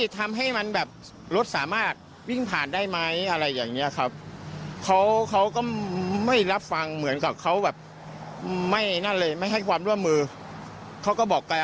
ครับเราท่อยทีท่อยอาศัยกันดีไหมครับ